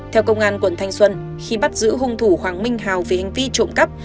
theo công an quận thanh xuân khi bắt giữ hung thủ hoàng minh hào về hành vi trộm cắp